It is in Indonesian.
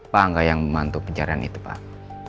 pak angga yang membantu pencarian itu pak